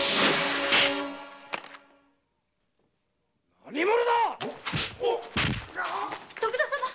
何者だ⁉徳田様！